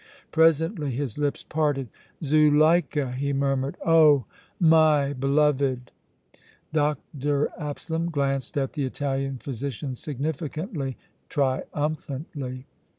Presently his lips parted. "Zuleika!" he murmured. "Oh! my beloved!" Dr. Absalom glanced at the Italian physician significantly, triumphantly.